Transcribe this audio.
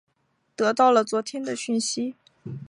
得到了昨天的讯息